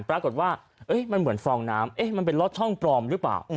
ปรากฏว่ามันเหมือนฟองน้ำมันเป็นล็อตช่องปลอมหรือเปล่า